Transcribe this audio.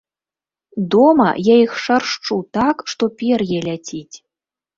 Дома я іх шаршчу так, што пер'е ляціць.